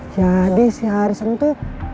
jadi si haris itu